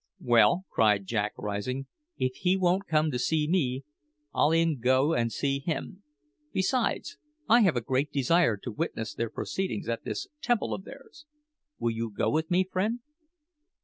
"Well," cried Jack, rising, "if he won't come to see me, I'll e'en go and see him. Besides, I have a great desire to witness their proceedings at this temple of theirs. Will you go with me, friend?"